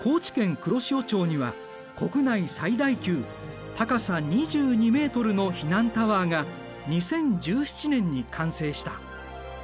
黒潮町には国内最大級高さ２２ｍの避難タワーが２０１７年に完成した。